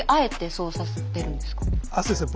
そうですね